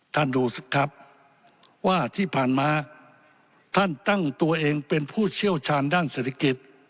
ท่านดูสิครับว่าที่ผ่านมาท่านตั้งตัวเองเป็นผู้เชี่ยวชาญด้านเศรษฐกิจ